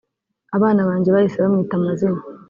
Abana banjye bahise bamwita amazina